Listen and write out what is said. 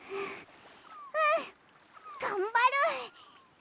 うんがんばる！